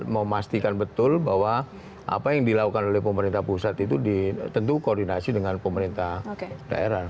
memastikan betul bahwa apa yang dilakukan oleh pemerintah pusat itu tentu koordinasi dengan pemerintah daerah